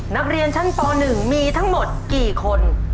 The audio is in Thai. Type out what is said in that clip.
นักเรียนชั้นป๑มีทั้งหมดกี่คน